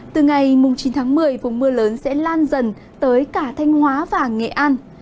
từ ngày chín tháng một mươi vùng mưa lớn sẽ lan dần tới cả thanh hóa và nghệ an